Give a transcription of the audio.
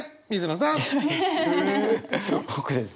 僕ですね。